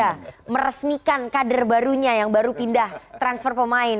bisa meresmikan kader barunya yang baru pindah transfer pemain